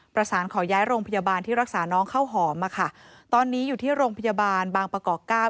ประสานขอย้ายโรงพยาบาลที่รักษาน้องข้าวหอมอะค่ะตอนนี้อยู่ที่โรงพยาบาลบางประกอบเก้า